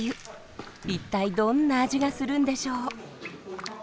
一体どんな味がするんでしょう？